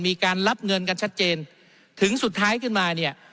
มีการรับเงินกันชัดเจนถึงสุดท้ายขึ้นมาเนี่ย